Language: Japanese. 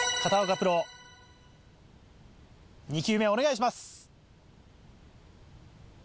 プロ２球目お願いします。